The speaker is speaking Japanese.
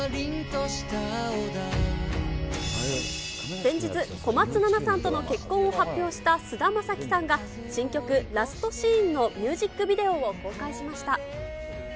先日、小松菜奈さんとの結婚を発表した菅田将暉さんが、新曲、ラストシーンのミュージックビデオを公開しました。